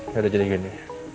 yaudah jadi gini